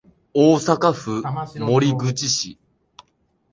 大阪府守口市